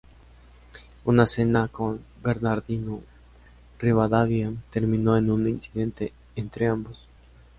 Una cena con Bernardino Rivadavia terminó en un incidente entre ambos.